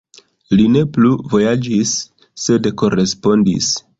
Li ne plu vojaĝis, sed korespondis.“.